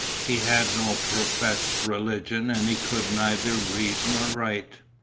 He had no professed religion and he could neither read nor write.